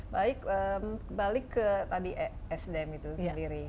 baik balik ke tadi sdm itu sendiri